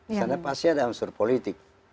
di sana pasti ada unsur politik